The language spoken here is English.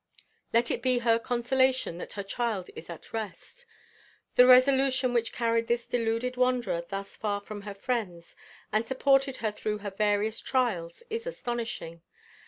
Let it be her consolation that her child is at rest. The resolution which carried this deluded wanderer thus far from her friends, and supported her through her various trials, is astonishing.